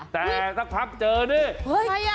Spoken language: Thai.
แต่สักพักเจอนี่